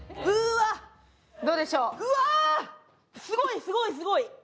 すごいすごいすごい！